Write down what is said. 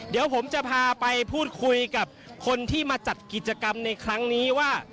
เดี๋ยวผมจะพาไปพูดคุยกับคนที่มาจัดกิจกรรมในครั้งนี้ว่า